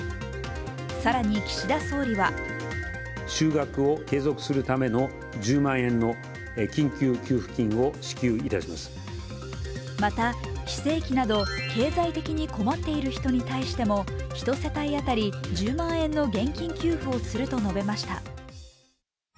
更に岸田総理はまた非正規など経済的に困っている人に対しても１世帯当たり１０万円の現金給付をすると述べました。